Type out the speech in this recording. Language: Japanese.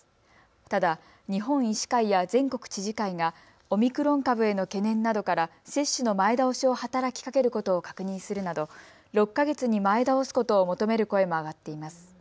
ただ日本医師会や全国知事会がオミクロン株への懸念などから接種の前倒しを働きかけることを確認するなど６か月に前倒すことを求める声も上がっています。